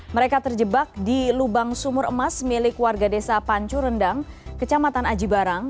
mereka terjebak di lubang sumur emas milik warga desa pancu rendang kecamatan aji barang